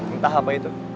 entah apa itu